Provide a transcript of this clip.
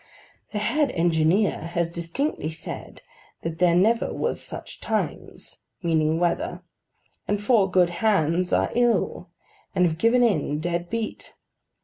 The head engineer has distinctly said that there never was such times—meaning weather—and four good hands are ill, and have given in, dead beat.